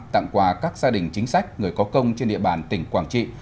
tặng quà các gia đình chính sách người có công trên địa bàn tỉnh quảng trị